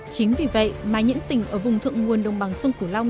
chính vì vậy mà những tỉnh ở vùng thượng nguồn đồng bằng sông cửu long